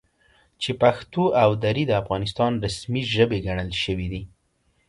چې پښتو او دري د افغانستان رسمي ژبې ګڼل شوي دي،